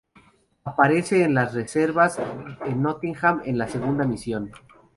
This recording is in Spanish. Aparece en las reservas de Nottingham en la segunda misión.